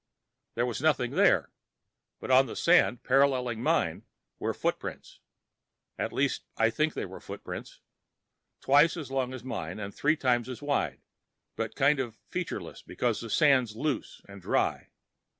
There was nothing there, but on the sand, paralleling mine, were footprints. At least I think they were footprints. Twice as long as mine, and three times as wide, but kind of featureless because the sand's loose and dry.